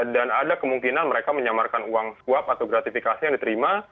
dan ada kemungkinan mereka menyamarkan uang swab atau gratifikasi yang diterima